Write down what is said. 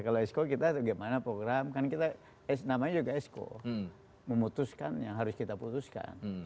kalau esko kita bagaimana program kan kita namanya juga esko memutuskan yang harus kita putuskan